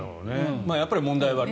やっぱり問題はある。